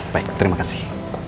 baik terima kasih